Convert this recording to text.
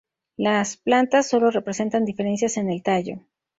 Las plantas sólo presentan diferencias en el tallo.